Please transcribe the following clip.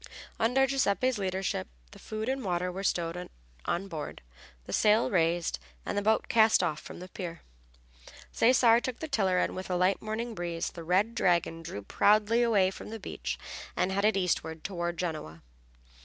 Under Giuseppe's leadership the food and water were stowed on board, the sail raised, and the boat cast off from the pier. Cesare took the tiller and with a light morning breeze the Red Dragon drew proudly away from the beach and headed eastward toward Genoa.